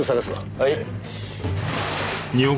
はい。